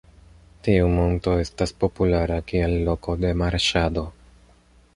Tiu monto estas populara kiel loko de marŝado.